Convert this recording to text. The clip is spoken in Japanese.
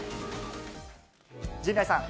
陣内さん。